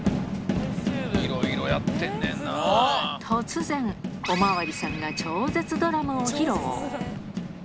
突然、お巡りさんが超絶ドラムを披露。